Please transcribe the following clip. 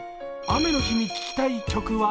雨の日に聴きたい曲は？